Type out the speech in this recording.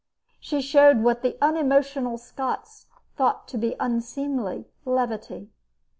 She showed what the unemotional Scots thought to be unseemly levity.